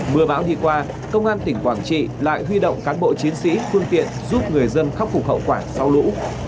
mưa bão đi qua công an tỉnh quảng trị lại huy động cán bộ chiến sĩ phương tiện giúp người dân khắc phục hậu quả sau lũ